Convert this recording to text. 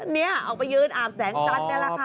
นี่ออกไปยืนอาบแสงจันทร์นี่แหละค่ะ